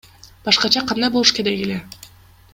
Башкача кандай болуш керек эле?